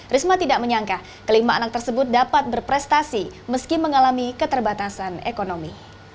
risma tidak menyangka kelima anak tersebut dapat berprestasi meski mengalami keterbatasan ekonomi